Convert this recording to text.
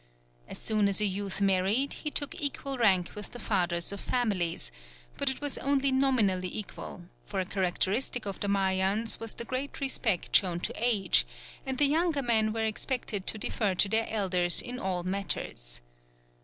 As soon as a youth married, he took equal rank with the fathers of families; but it was only nominally equal, for a characteristic of the Mayans was the great respect shown to age, and the younger men were expected to defer to their elders in all matters.